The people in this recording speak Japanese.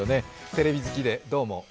テレビ好きで、どうも。